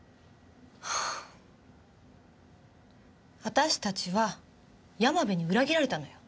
私たちは山部に裏切られたのよ。